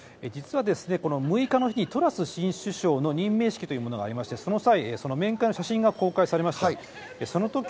６日のトラス新首相の任命式というものがありまして、その際、面会の写真が公開されました。